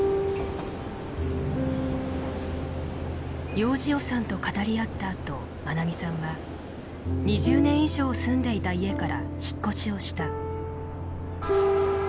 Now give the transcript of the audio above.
ようじよさんと語り合ったあとまなみさんは２０年以上住んでいた家から引っ越しをした。